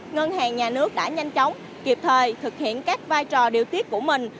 ngân hàng nhà nước đã nhanh chóng kịp thời thực hiện các vai trò điều tiết của mình